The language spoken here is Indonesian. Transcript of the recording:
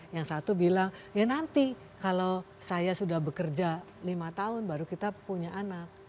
yang satu bilang ya nanti kalau saya sudah bekerja lima tahun baru kita punya anak